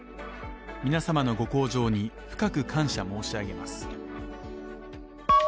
皆様のご厚情に深く感謝申し上げます。